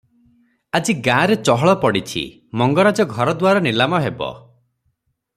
ଆଜି ଗାଁରେ ଚହଳ ପଡ଼ିଛି, ମଙ୍ଗରାଜ ଘରଦ୍ୱାର ନିଲାମ ହେବ ।